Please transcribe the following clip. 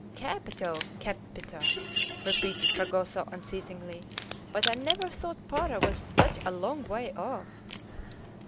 "Capital! capital!" repeated Fragoso unceasingly; "but I never thought Para was such a long way off!"